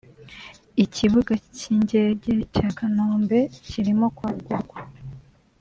ikibuga cy’ingege cya Kanombe kirimo kwagurwa